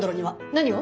何を？